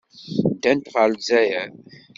Ddant ɣer Lezzayer.